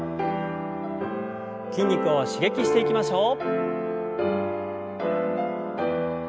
筋肉を刺激していきましょう。